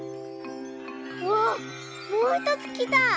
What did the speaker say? わっもうひとつきた！